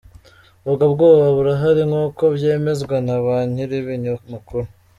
Ubwo bwoba burahari nk’uko byemezwa na ba nyiribinyamakuru.